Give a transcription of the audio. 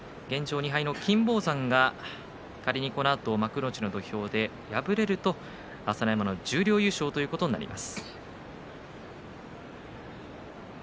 ２敗の金峰山が仮にこのあと幕内の土俵で敗れますと朝乃山の十両優勝ということになります。